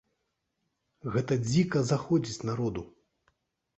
Гэта дзіка заходзіць народу.